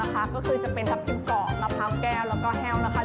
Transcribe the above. ก็คือจะเป็นทับทิมกรอบมะพร้าวแก้วแล้วก็แห้วนะคะ